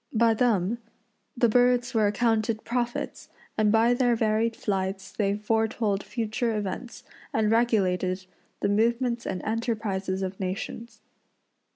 By them the birds were accounted prophets, and by their varied flights they foretold future events and regulated the movements and enterprises of nations.